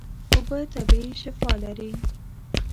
اوبه طبیعي شفاء لري.